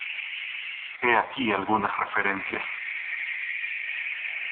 He aquí algunas referencias.